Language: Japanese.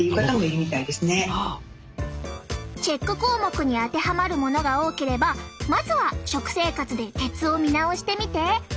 チェック項目に当てはまるものが多ければまずは食生活で鉄を見直してみて。